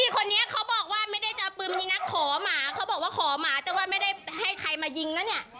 เขาไม่รู้ว่าขอยิง